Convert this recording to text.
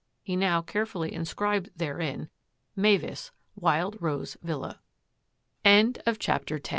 He now carefully inscribed therein: "Mavis, Wild Rose Villa." CHAPTER X